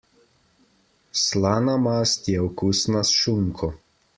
Slana mast je okusna s šunko.